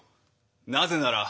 なぜなら。